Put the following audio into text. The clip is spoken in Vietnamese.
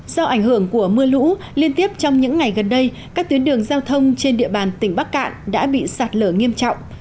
do ảnh hưởng của mưa lũ liên tiếp trong những ngày gần đây các tuyến đường giao thông trên địa bàn tỉnh bắc cạn đã bị sạt lở nghiêm trọng